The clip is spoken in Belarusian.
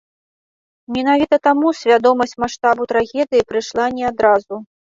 Менавіта таму свядомасць маштабу трагедыі прыйшла не адразу.